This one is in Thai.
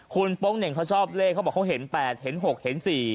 คุณโป๊งเหน่งเขาชอบเลขเขาบอกเขาเห็น๘เห็น๖เห็น๔